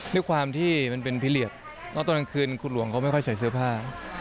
ด้วยความที่เป็นเพลียจน้องตัวนักคืนคุณหลวงเขาไม่ไหว่ใส่เสื้อผ้า